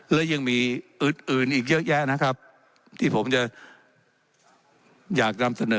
และยังมีอื่นอื่นอีกเยอะแยะนะครับที่ผมจะอยากนำเสนอ